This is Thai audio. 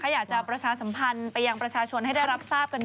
อยากจะประชาสัมพันธ์ไปยังประชาชนให้ได้รับทราบกันดี